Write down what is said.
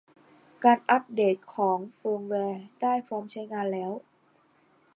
การอัพเดตของเฟิร์มแวร์ได้พร้อมใช้งานแล้ว